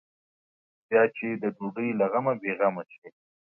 بیا چې د ډوډۍ له غمه بې غمه شي.